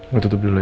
gue tutup dulu ya